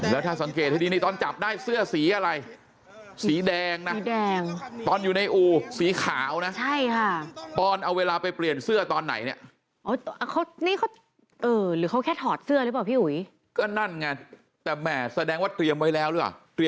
แล้วถ้าสังเกตให้ดีนี่ตอนจับได้เสื้อสีอะไรสีแดงนะสีแดงตอนอยู่ในอู่สีขาวนะใช่ค่ะตอนเอาเวลาไปเปลี่ยนเสื้อตอนไหนเนี่ยหรือเขาแค่ถอดเสื้อหรือเปล่าพี่อุ๋ยก็นั่นไงแต่แหม่แสดงว่าเตรียมไว้แล้วหรือเปล่า